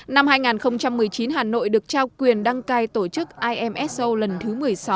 năm hai nghìn một mươi chín hà nội được trao quyền đăng cai tổ chức imso lần thứ một mươi sáu